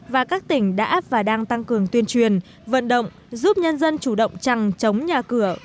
và các tỉnh đã và đang tăng cường tuyên truyền vận động giúp nhân dân chủ động trăng chống nhà cửa